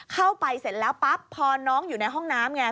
เข้าไปเสร็จแล้วปั๊บพอน้องอยู่ในห้องน้ำไง